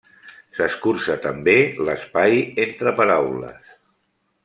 S'escurça també l'espai entre paraules.